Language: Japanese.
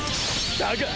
だが！